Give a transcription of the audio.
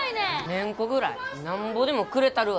メンコぐらいなんぼでもくれたるわ。